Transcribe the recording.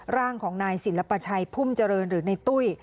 ร่างของนายศิลปชัยพุ่มเจริญหรือในตุ้ย